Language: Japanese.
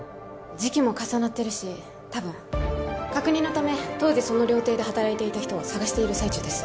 時期も重なってるし多分確認のため当時その料亭で働いていた人を捜している最中です